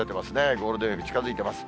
ゴールデンウィーク近づいてます。